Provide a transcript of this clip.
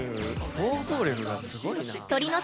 想像力がすごいな。